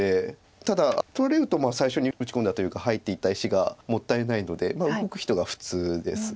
ただ取れると最初に打ち込んだというか入っていった石がもったいないので動く人が普通です。